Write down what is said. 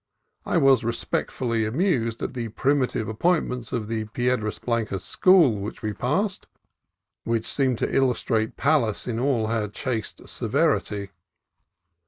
I was respectfully amused at the primitive appointments of the Piedras Blan cas school, which we passed, and which seemed to illustrate Pallas in all her chaste severity.